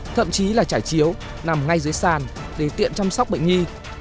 thậm chí là trải chiếu nằm ngay dưới sàn để tiện chăm sóc bệnh nhi